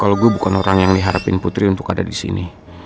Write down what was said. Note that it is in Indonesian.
kalau gue bukan orang yang diharapin putri untuk ada di sini